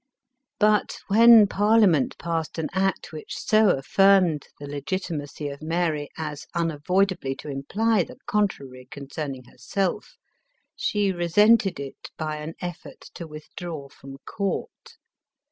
But when parliament passed an act which so affirmed the legitimacy of Mary as unavoidably to imply the contrary concerning herself, she resented it by an effort to withdraw from court.